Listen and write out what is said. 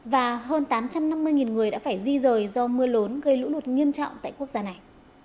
và hơn tám trăm năm mươi người đã phải di rời do mưa lớn gây lũ lụt nghiêm trọng tại quốc gia này